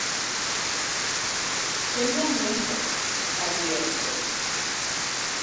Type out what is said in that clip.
Sembla una illa —va dir Elke—.